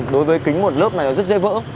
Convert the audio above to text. đối với kính một lớp này rất dễ vỡ